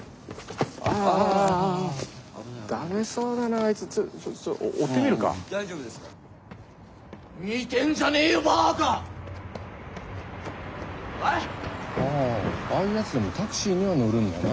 ああいうやつでもタクシーには乗るんだな。